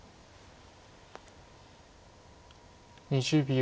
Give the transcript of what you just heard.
２０秒。